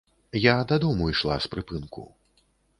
Я дадому ішла з прыпынку.